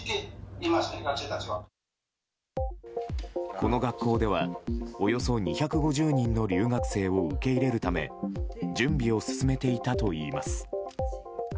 この学校ではおよそ２５０人の留学生を受け入れるため準備を進めていたといいます。